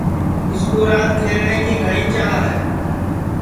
اُس کُو راند کھلٹؔے کی گھٹؔی چاھ ہے